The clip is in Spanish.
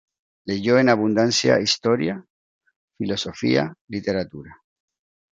Leyó en abundancia historia, filosofía, literatura.